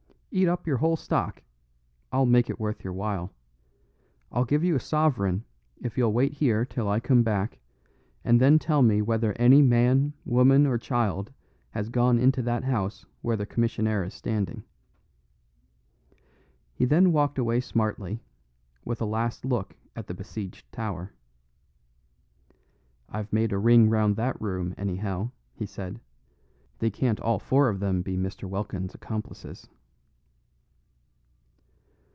"Eat up your whole stock; I'll make it worth your while. I'll give you a sovereign if you'll wait here till I come back, and then tell me whether any man, woman, or child has gone into that house where the commissionaire is standing." He then walked away smartly, with a last look at the besieged tower. "I've made a ring round that room, anyhow," he said. "They can't all four of them be Mr. Welkin's accomplices."